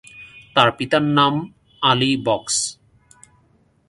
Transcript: তার পিতার নাম আলী বক্স।